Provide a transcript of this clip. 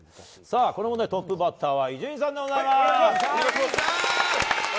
この問題トップバッターは伊集院さんでございます。